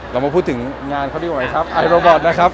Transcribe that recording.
เรามาพูดถึงงานเขาดีกว่าครับไอโรบอตนะครับ